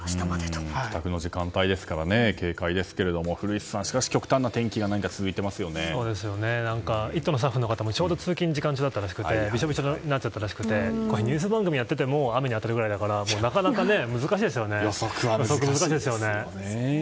帰宅の時間帯ですから警戒ですが極端な天気が「イット！」のスタッフの方もちょうど通勤時間中だったらしくてびしょびしょになったらしくてニュース番組をやっていても雨に当たるぐらいだからなかなか予測難しいですね。